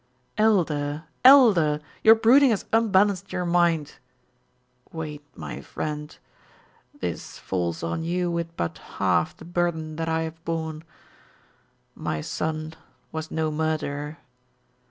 "Elder Elder! Your brooding has unbalanced your mind." "Wait, my friend. This falls on you with but half the burden that I have borne. My son was no murderer.